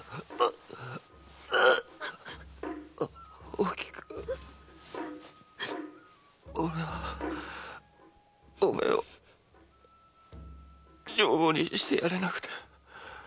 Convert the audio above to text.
おきく俺はお前を女房にしてやれなくて。